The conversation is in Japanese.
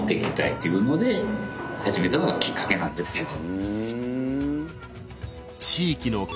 というので始めたのがきっかけなんですけど。